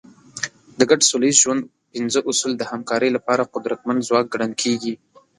د ګډ سوله ییز ژوند پنځه اصول د همکارۍ لپاره قدرتمند ځواک ګڼل کېږي.